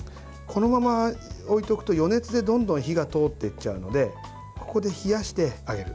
このまま置いておくと余熱で、どんどん火が通っていっちゃうのでここで冷やしてあげる。